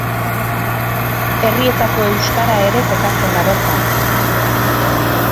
Herrietako euskara ere kokatzen da bertan.